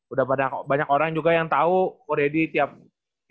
udah banyak orang juga yang tau ko deddy tiap event ada gitu